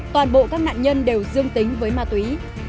toàn bộ các nạn nhân đều dương tính với ma túy